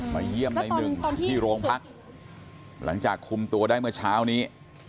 เยี่ยมในหนึ่งที่โรงพักหลังจากคุมตัวได้เมื่อเช้านี้